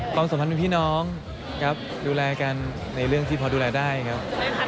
สัมพันธ์เป็นพี่น้องครับดูแลกันในเรื่องที่พอดูแลได้ครับ